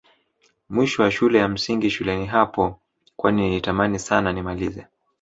Mwisho wa shule ya msingi shuleni hapo kwani nilitamani Sana nimalize